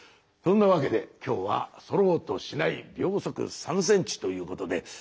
そんなわけで今日は「そろうとしない」「秒速３センチ」ということで。